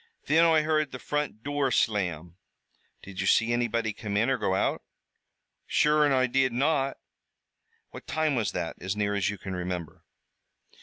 "Thin Oi heard the front dure slam." "Did you see anybody come in or go out?" "Sure, an' Oi did not." "What time was this, as near as you can remember?"